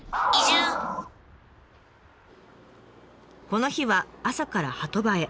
この日は朝から波止場へ。